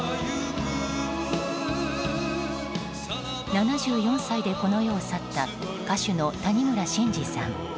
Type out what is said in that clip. ７４歳でこの世を去った歌手の谷村新司さん。